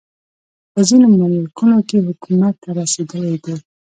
په ځینو ملکونو کې حکومت ته رسېدلی دی.